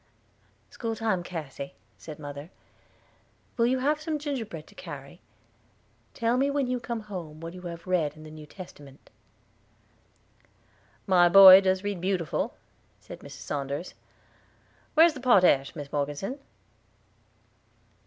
"School time, Cassy," said mother. "Will you have some gingerbread to carry? Tell me when you come home what you have read in the New Testament." "My boy does read beautiful," said Mrs. Saunders. "Where's the potash, Mis Morgeson?"